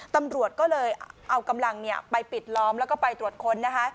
ตำรวจก็เลยเอากำลังไปปิดล้อมแล้วก็ไปตรวจค้นนะคะ